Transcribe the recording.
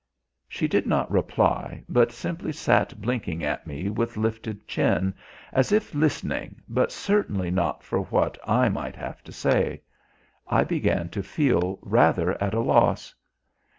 She did not reply, but simply sat blinking at me with lifted chin, as if listening, but certainly not for what I might have to say. I began to feel rather at a loss.